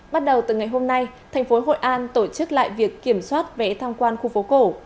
bắt đầu từ ngày hôm nay tp hcm tổ chức lại việc kiểm soát vẽ tham quan khu phố cổ